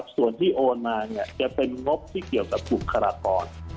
ส่วนที่โอนมาจะเป็นงบที่เกี่ยวกับภูมิขราดตอน